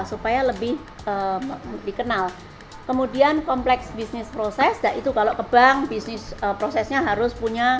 supaya lebih dikenal kemudian kompleks bisnis proses dan itu kalau ke bank bisnis prosesnya harus punya